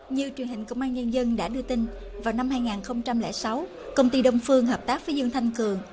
như truyền hình công an nhân dân đã đưa tin vào năm hai nghìn sáu công ty đông phương hợp tác với dương thanh cường